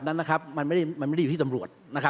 นั้นนะครับมันไม่ได้อยู่ที่สำรวจนะครับ